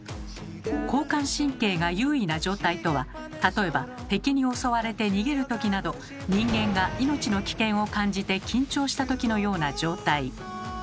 交感神経が優位な状態とは例えば敵に襲われて逃げるときなど人間が命の危険を感じて緊張したときのような状態。